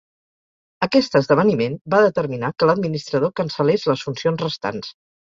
Aquest esdeveniment va determinar que l’administrador cancel·lés les funcions restants.